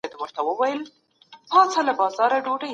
دا پښتو تفسير عبدالله فاني په پيښوري لهجه کي ليکلی دی